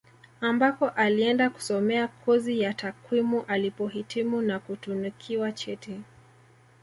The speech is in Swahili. Ambako alienda kusomea kozi ya takwimu alipohitimu na kutunikiwa cheti